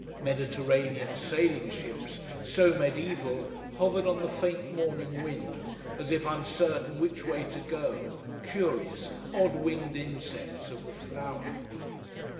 Mediterranean sailing ships, so mediaeval, hovered on the faint morning wind, as if uncertain which way to go, curious, odd winged insects of the flower.